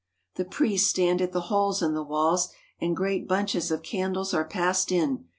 The priests stand at the holes in the walls, and great bunches of candles are passed in.